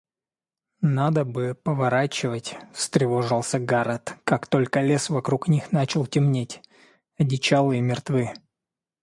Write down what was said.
– Надо бы поворачивать, – встревожился Гаред, как только лес вокруг них начал темнеть. – Одичалые мертвы.